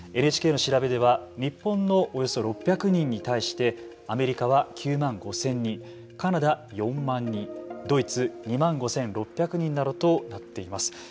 ＮＨＫの調べでは日本のおよそ６００人に対してアメリカは９万５０００人カナダ４万人ドイツ２万５６００人などとなっています。